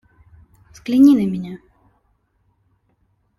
Взгляни на меня.